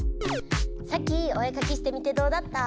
サキお絵かきしてみてどうだった？